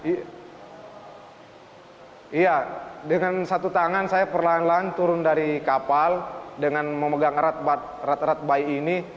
iya dengan satu tangan saya perlahan lahan turun dari kapal dengan memegang erat erat bayi ini